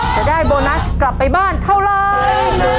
จะได้โบนัสกลับไปบ้านเท่าไร